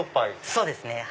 そうですね。